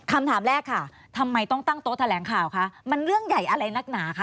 คำถามแรกค่ะทำไมต้องตั้งโต๊ะแถลงข่าวคะมันเรื่องใหญ่อะไรนักหนาคะ